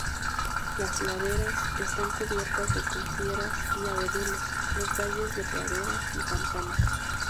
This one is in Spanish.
Las laderas están cubiertas de coníferas y abedules, los valles de praderas y pantanos.